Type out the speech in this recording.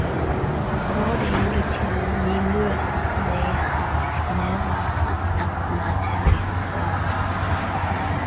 According to Miura, they have never had a marital quarrel.